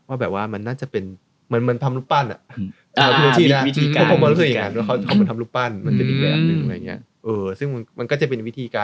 แบบว่ามันน่าจะเป็นเหมือนทำรูปปั้น